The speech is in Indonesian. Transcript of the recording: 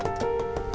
setia pak bos